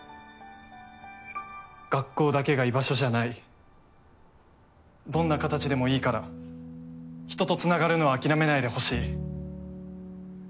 学校だけが居場所じゃないどんな形でもいいから人とつながるのを諦めないでほしい。